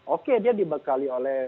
oke dia dibekali oleh